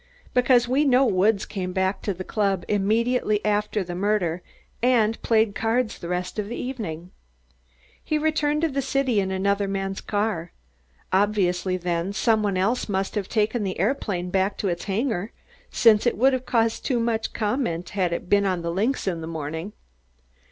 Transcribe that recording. "Because we know Woods came back to the club immediately after the murder and played cards the rest of the evening. He returned to the city in another man's car; obviously, then, some one else must have taken the aeroplane back to its hangar, since it would have caused too much comment had it been on the links in the morning.